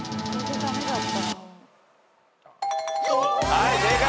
はい正解。